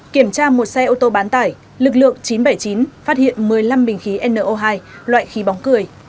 kiểm tra một xe ô tô bán tải lực lượng chín trăm bảy mươi chín phát hiện một mươi năm bình khí no hai loại khí bóng cười